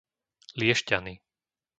Liešťany